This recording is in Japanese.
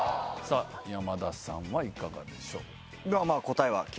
山田さんはいかがでしょう？